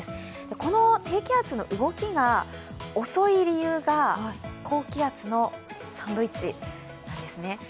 この低気圧の動きが遅い理由が高気圧のサンドイッチなんですね。